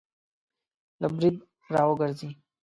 له برید را وګرځي